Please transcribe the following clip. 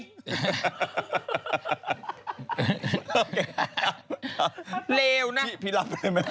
โอเคครับเลวน่ะพี่พี่รับได้มั้ย